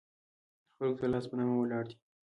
خلکو ته لاس په نامه ولاړ دي.